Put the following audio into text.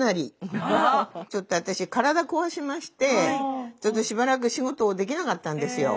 ちょっと私体壊しましてちょっとしばらく仕事をできなかったんですよ。